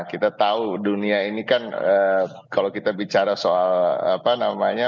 kita tahu dunia ini kan kalau kita bicara soal apa namanya